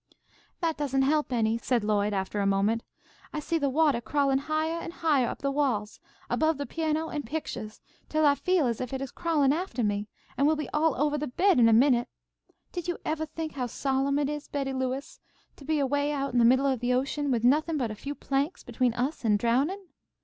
"That doesn't help any," said Lloyd, after a moment. "I see the watah crawlin' highah and highah up the walls, above the piano and pictuahs, till I feel as if it is crawlin' aftah me, and will be all ovah the bed in a minute. Did you evah think how solemn it is, Betty Lewis, to be away out in the middle of the ocean, with nothing but a few planks between us and drownin'?